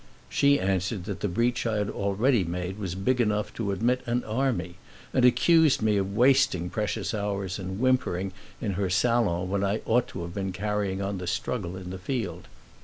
She answered that the breach I had already made was big enough to admit an army and accused me of wasting precious hours in whimpering in her salon when I ought to have been carrying on the struggle in the field.